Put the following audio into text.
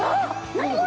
何？